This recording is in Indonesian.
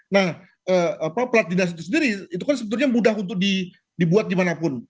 nah pelat dinas itu sendiri itu kan sebetulnya mudah untuk dibuat dimanapun